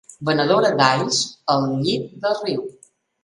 Venedora d'alls al llit del riu.